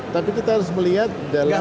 tapi kita harus melihat dalam